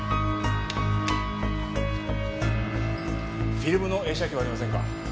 フィルムの映写機はありませんか？